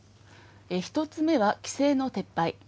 １つ目は規制の撤廃。